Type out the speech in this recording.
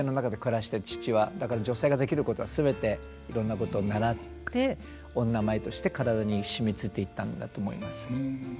だから女性ができることは全ていろんなこと習って女舞として体に染みついていったんだと思います。